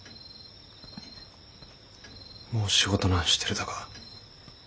もう仕事なんしてるだか。